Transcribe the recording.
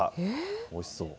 おいしそう。